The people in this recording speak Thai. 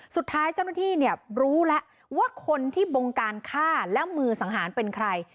สุดท้ายเจ้าหน้าที่เนี่ยรู้แล้วว่าคนที่บงการฆ่าและมือสังหารเป็นใคร